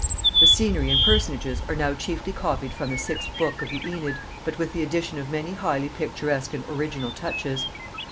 The scenery and personages are now chiefly copied from the sixth book of the Æneid; but with the addition of many highly picturesque and original touches.